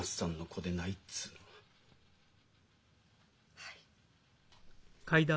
はい。